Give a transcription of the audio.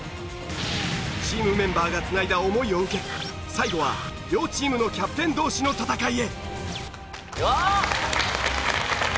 チームメンバーがつないだ思いを受け最後は両チームのキャプテン同士の戦いへ。